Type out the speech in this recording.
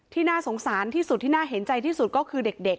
น่าสงสารที่สุดที่น่าเห็นใจที่สุดก็คือเด็ก